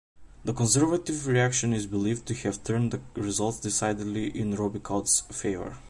The Conservative reaction is believed to have turned the results decidedly in Robichaud's favour.